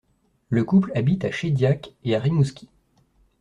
Le couple habite à Shédiac et à Rimouski.